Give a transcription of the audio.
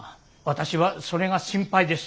私はそれが心配です。